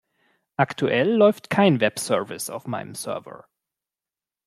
Aktuell läuft kein Webservice auf meinem Server.